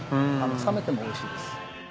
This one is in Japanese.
冷めてもおいしいです。